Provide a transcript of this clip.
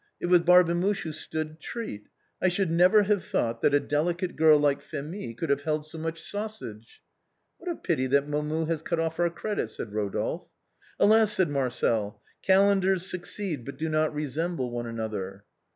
It was Barbe muche who stood treat. I should never have thought that a delicate girl like Phémie could have held so much sau sage." " What a pity that Momus has cut off our credit," said Eodolphe. "Alas," said Marcel; "calendars succeed but do not resemble one another."